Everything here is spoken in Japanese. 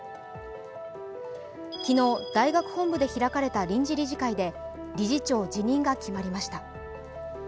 昨日、大学本部で開かれた臨時理事会で理事長辞任が決まりました。